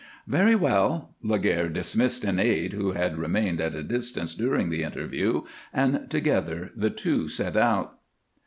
"Very well." Laguerre dismissed an aide who had remained at a distance during the interview, and together the two set out.